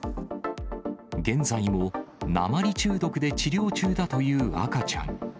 現在も鉛中毒で治療中だという赤ちゃん。